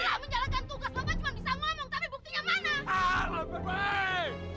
ya menjalankan tugas bapak cuma bisa ngomong tapi buktinya mana